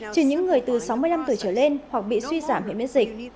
trừ những người từ sáu mươi năm tuổi trở lên hoặc bị suy giảm hệ miễn dịch